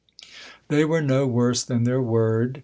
They were no worse than their word.